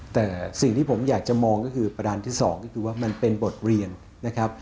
แต่สิ่งที่ผมอยากจะมองก็คือประดานที่๒ก็คือว่ามันเป็นบทเรียนนะครับ